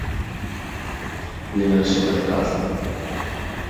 Viene lasciata a casa.